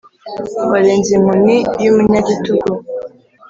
warenze inkoni y'umunyagitugu: